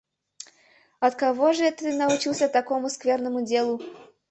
От кого же это ты научился такому скверному делу?